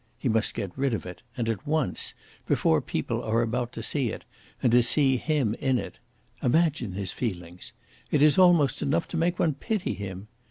He must get rid of it, and at once, before people are about to see it, and to see him in it. Imagine his feelings! It is almost enough to make one pity him.